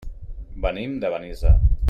Venim de Benissa.